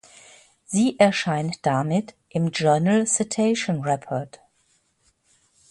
Sie erscheint damit im "Journal Citation Report".